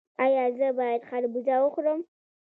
ایا زه باید خربوزه وخورم؟